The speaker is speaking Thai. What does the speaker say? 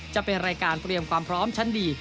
จะเป็นรายการเตรียมความพร้อมชั้นดี